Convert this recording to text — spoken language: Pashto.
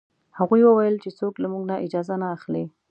هغه وویل چې څوک له موږ نه اجازه نه اخلي.